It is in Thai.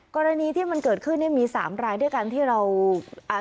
กรณีที่มันเกิดขึ้นมี๓ลายด้วยการที่เรา